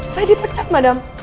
saya dipecat madem